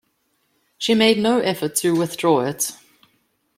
She made no effort to withdraw it.